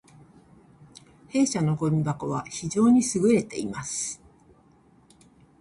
弊社のごみ箱は非常に優れています